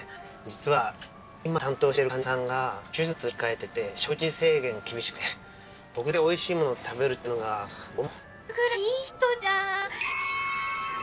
実は今担当してる患者さんが手術控えてて食事制限厳しくて僕だけおいしいものを食べるっていうのがどうも。